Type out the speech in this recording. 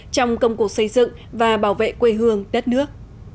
trong công cuộc xây dựng và bảo vệ quê hương đất nước